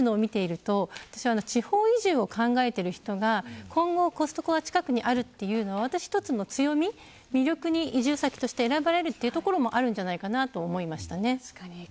さっきの誘致を見ていると地方自治を考えているところが今後コストコが近くにあるというのは私たちの強み、魅力に移住先として選ばれるというところもあると思います。